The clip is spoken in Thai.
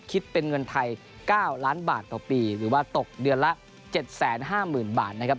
คิดเป็นเงินไทย๙ล้านบาทต่อปีหรือว่าตกเดือนละ๗๕๐๐๐บาทนะครับ